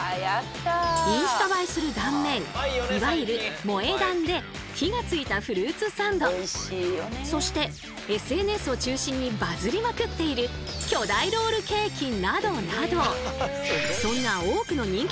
インスタ映えする断面いわゆる「萌え断」で火がついたそしてＳＮＳを中心にバズりまくっている巨大ロールケーキなどなど。